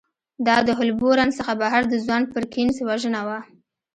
دا د هولبورن څخه بهر د ځوان پرکینز وژنه وه